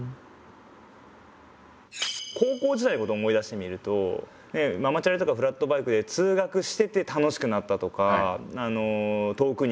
高校時代のこと思い出してみるとママチャリとかフラットバイクで通学してて楽しくなったとかあの遠くに行きたいね